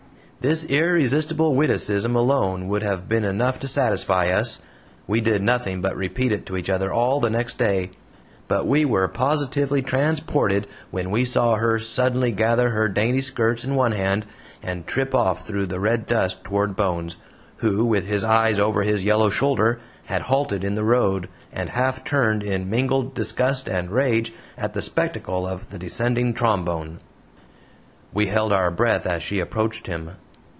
This irresistible witticism alone would have been enough to satisfy us we did nothing but repeat it to each other all the next day but we were positively transported when we saw her suddenly gather her dainty skirts in one hand and trip off through the red dust toward Bones, who, with his eyes over his yellow shoulder, had halted in the road, and half turned in mingled disgust and rage at the spectacle of the descending trombone. We held our breath as she approached him.